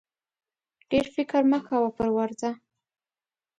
ډېر فکر مه کوه پر ورځه!